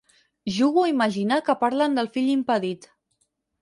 Jugo a imaginar que parlen del fill impedit.